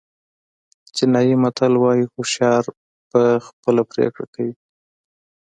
چینایي متل وایي هوښیار په خپله پرېکړه کوي.